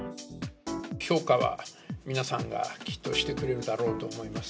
評価は皆さんがきっとしてくれるだろうと思います。